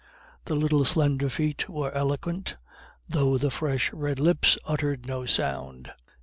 The little slender feet were eloquent, though the fresh red lips uttered no sound.